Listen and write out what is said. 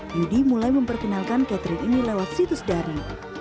yudi mulai memperkenalkan catering ini lewat situs dari